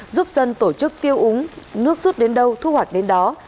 giúp dân tổ chức tiêu úng nước rút đến đâu thu hoạch đến đó